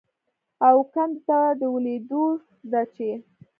او کندې ته د لوېدو ده چې